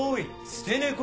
捨て猫！